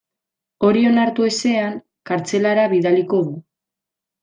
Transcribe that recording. Hori onartu ezean, kartzelara bidaliko du.